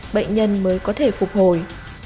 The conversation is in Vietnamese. bệnh nhân mới có thể phục hồi